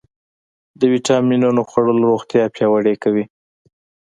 د ویټامینونو خوړل روغتیا پیاوړې کوي.